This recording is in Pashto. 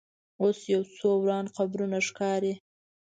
اوس یو څو وران قبرونه ښکاري.